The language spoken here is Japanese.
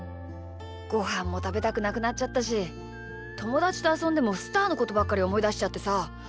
ごはんもたべたくなくなっちゃったしともだちとあそんでもスターのことばっかりおもいだしちゃってさ。